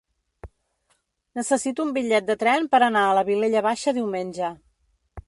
Necessito un bitllet de tren per anar a la Vilella Baixa diumenge.